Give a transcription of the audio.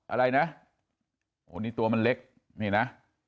อะไรนะโอ้นี่ตัวมันเล็กนี่นะ